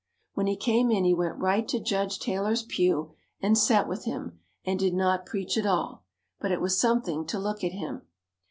When he came in he went right to Judge Taylor's pew and sat with him and did not preach at all, but it was something to look at him.